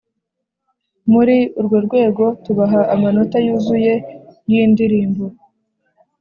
muri urworwego tubaha amanota yuzuye y’indirimbo